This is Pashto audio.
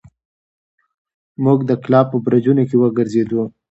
موږ د کلا په برجونو کې وګرځېدو.